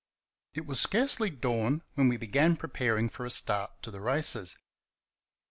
It was scarcely dawn when we began preparing for a start to the races.